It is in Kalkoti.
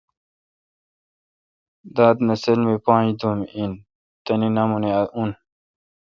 داد نسل می پانج دُوم این۔ تنے نامونے اُن۔